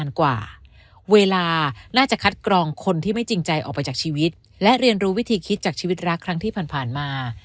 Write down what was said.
เวลาน่าจะคัดกรองคนที่ไม่จริงใจออกไปจากชีวิตและเรียนรู้วิธีคิดจากชีวิตรักครั้งที่ผ่านมา